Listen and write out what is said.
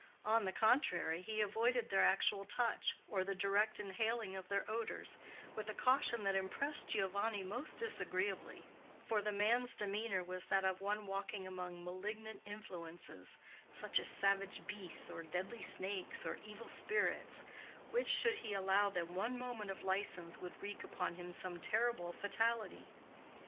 On the contrary, he avoided their actual touch or the direct inhaling of their odors with a caution that impressed Giovanni most disagreeably; for the man's demeanor was that of one walking among malignant influences, such as savage beasts, or deadly snakes, or evil spirits, which, should he allow them one moment of license, would wreak upon him some terrible fatality.